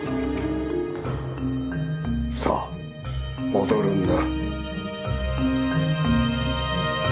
さあ戻るんだ。